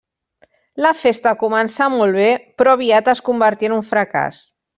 La festa començà molt bé, però aviat es convertí en un fracàs.